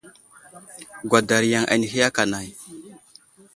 Gwadar yaŋ anehi aka nay.